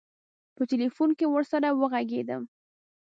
په تیلفون کې ورسره وږغېدم.